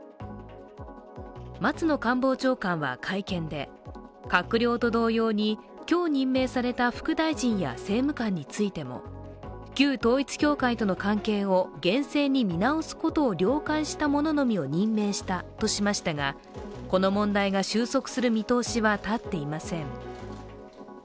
松野官房長官は会見で閣僚と同様に今日任命された副大臣や政務官についても旧統一教会との関係を厳正に見直すことを了解したもののみを任命したとしましたがこの問題が収束する見通しは足っていません。